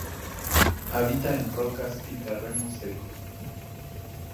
Habita en rocas y terreno seco.